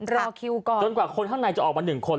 รอคิวก่อนจนกว่าคนข้างในจะออกมาหนึ่งคน